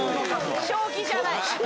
正気じゃない。